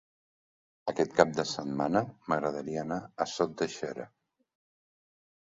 Aquest cap de setmana m'agradaria anar a Sot de Xera.